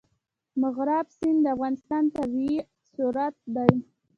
مورغاب سیند د افغانستان طبعي ثروت دی.